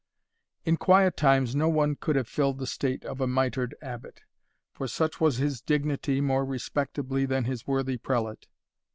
In quiet times no one could have filled the state of a mitred Abbot, for such was his dignity, more respectably than this worthy prelate.